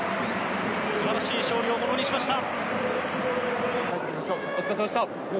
素晴らしい勝利をものにしました。